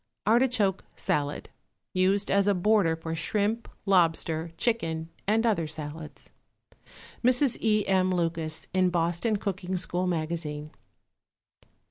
=Artichoke Salad.= (Used as a border for shrimp, lobster, chicken and other salads.) (MRS. E. M. LUCAS, IN BOSTON COOKING SCHOOL MAGAZINE.)